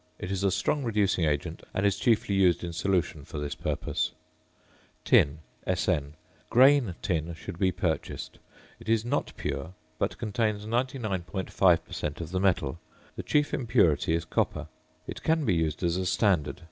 It is a strong reducing agent, and is chiefly used in solution for this purpose. ~Tin~, Sn. Grain tin should be purchased. It is not pure, but contains 99.5 per cent. of the metal. The chief impurity is copper. It can be used as a standard.